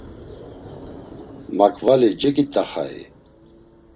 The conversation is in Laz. Makvali cegit̆axai?